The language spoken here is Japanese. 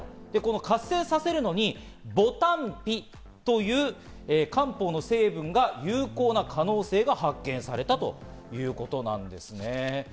活性させるのにボタンピという漢方の成分が有効な可能性が発見されたということなんですね。